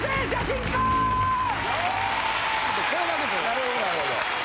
なるほどなるほど。